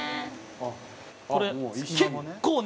これ、結構ね